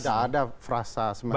tidak ada frasa sementara